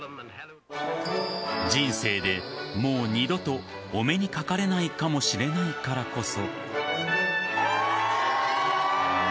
人生でもう二度とお目にかかれないかもしれないからこそ。